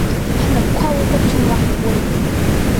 Ҳнапқәа укәыршан уаҳкуеит!